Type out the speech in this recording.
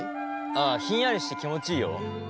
あひんやりして気持ちいいよ。